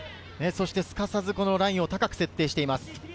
すかさずラインを高く設定しています。